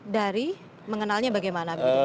dari mengenalnya bagaimana